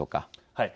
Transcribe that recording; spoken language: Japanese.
はい。